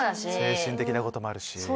精神的なこともあるし。